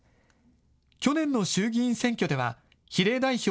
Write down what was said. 去年の衆議院選挙では比例代表